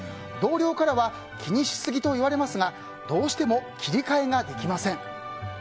同僚からは気にしすぎと言われますがどうしても切り替えができません。